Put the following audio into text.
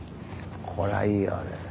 これはいいよね。